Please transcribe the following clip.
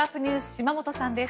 島本さんです。